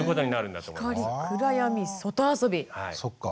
そっか。